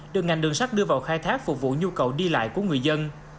được ngành đường sắt đưa vào khai thác phục vụ nhu cầu đi lại của người dân